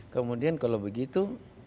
kemudian kalau begitu